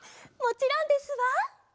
もちろんですわ。